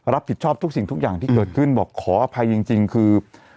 รับผิดชอบทุกสิ่งทุกอย่างที่เกิดขึ้นบอกขออภัยจริงคือ